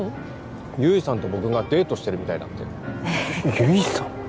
悠依さんと僕がデートしてるみたいだってえ悠依さん？